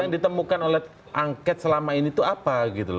yang ditemukan oleh angket selama ini itu apa